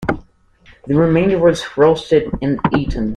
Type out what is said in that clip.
The remainder was roasted and eaten.